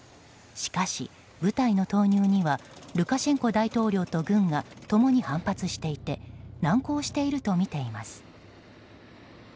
しかし、部隊の投入にはルカシェンコ大統領と軍が共に反発していて難航しているとみています。